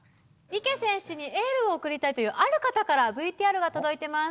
池選手にエールを送りたいというある方からＶＴＲが届いてます。